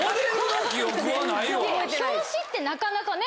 表紙ってなかなかね